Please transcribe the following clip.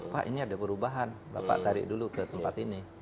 pak ini ada perubahan bapak tarik dulu ke tempat ini